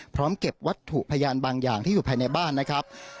เก็บวัตถุพยานบางอย่างที่อยู่ภายในบ้านนะครับ